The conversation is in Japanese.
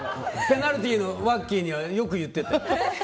ペナルティのワッキーにはよく言ってたよ。